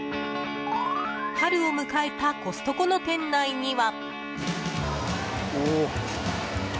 春を迎えたコストコの店内には。